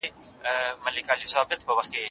ډیپلوماسي د تفاهم او معقولو خبرو اترو هنر دی.